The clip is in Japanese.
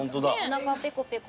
おなかペコペコ。